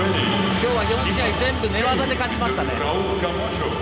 今日は４試合、全部寝技で勝ちましたね。